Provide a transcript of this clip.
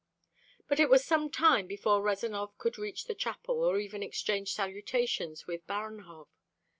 But it was some time before Rezanov could reach the chapel or even exchange salutations with Baranhov.